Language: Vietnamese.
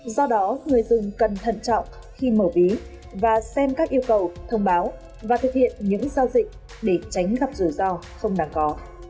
do đó người dùng cần thận trọng khi mở ví và xem các yêu cầu thông báo và thực hiện những giao dịch để tránh gặp rủi ro không đáng có